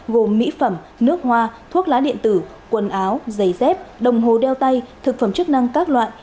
gồm mỹ phẩm nước hoa thuốc lá điện tử quần áo giày dép đồng hồ đeo tay thực phẩm chức năng các loại